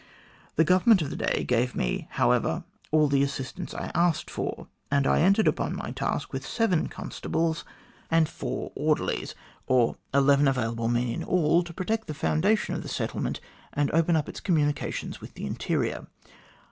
The Government of the day gave me, however, all the assistance I asked for, and I entered upon my task with seven constables and THE CORRESPONDENCE OF SIR MAURICE O'CONNELL 149 four orderlies, or eleven available men in all, to protect the foundation of the settlement and open up its communications with the interior.